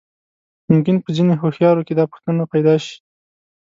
ممکن په ځينې هوښيارو کې دا پوښتنه پيدا شي.